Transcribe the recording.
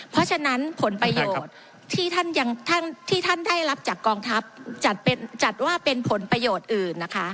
เพราะฉะนั้นผลประโยชน์ที่ท่านยังท่านที่ท่านได้รับจากกองทัพจัดเป็นจัดว่าเป็นผลประโยชน์อื่นนะคะ